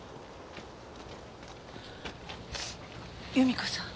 祐美子さん。